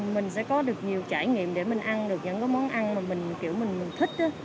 mình sẽ có được nhiều trải nghiệm để mình ăn được những món ăn mà mình kiểu mình thích